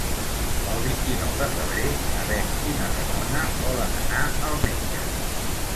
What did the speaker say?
El vint-i-nou de febrer na Bet i na Ramona volen anar al metge.